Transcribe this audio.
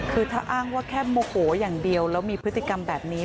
คือถ้าอ้างว่าแค่โมโหอย่างเดียวแล้วมีพฤติกรรมแบบนี้